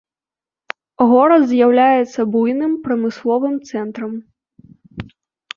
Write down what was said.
Горад з'яўляецца буйным прамысловым цэнтрам.